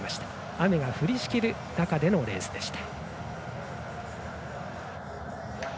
雨が降りしきる中でのレースでした。